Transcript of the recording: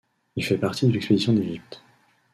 Il fait partie de l'expédition d’Égypte.